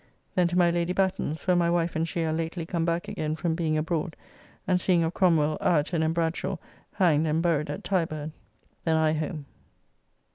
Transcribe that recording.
Then to my Lady Batten's; where my wife and she are lately come back again from being abroad, and seeing of Cromwell, Ireton, and Bradshaw hanged and buried at Tyburn. Then I home.